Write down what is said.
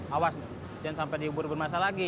awas jangan sampai dihubur hubur masa lagi